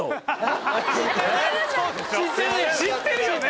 知ってるよね？